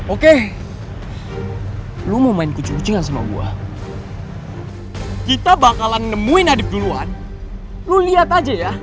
oke lo mau main kucing kucingan sama gua kita bakalan nemuin adib duluan lu lihat aja ya